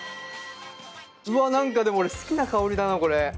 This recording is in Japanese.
うわ何かでも俺好きな香りだなこれ。